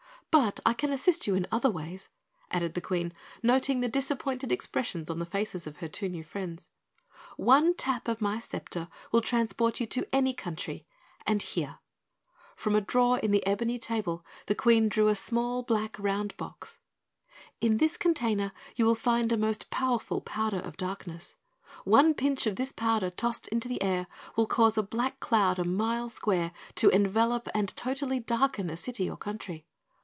But I can assist you in other ways," added the Queen, noting the disappointed expressions on the faces of her two new friends. "One tap of my scepter will transport you to any country and here " from a drawer in the ebony table the Queen drew a small black round box "in this container you will find a most powerful powder of darkness. One pinch of this powder tossed into the air will cause a black cloud a mile square to envelop and totally darken a city or country.